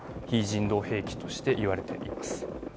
非人道兵器としていわれています。